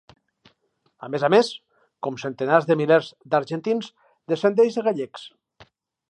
A més a més, com centenars de milers d'argentins, descendeix de gallecs.